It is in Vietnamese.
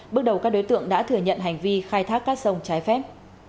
bước đầu các đối tượng đã thừa nhận hành vi khai thác cát sông trái phép